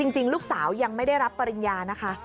จริงลูกสาวยังไม่ได้รับปริญญานะคะ